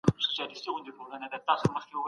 د کتاب لوستل غوره عادت دی.